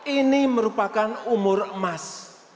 ini merupakan umur emas